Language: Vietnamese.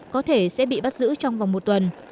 có thể sẽ bị bắt giữ trong vòng một tuần